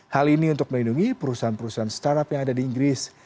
hal ini untuk melindungi perusahaan perusahaan startup yang ada di inggris